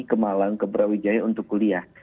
ke malang ke brawijaya untuk kuliah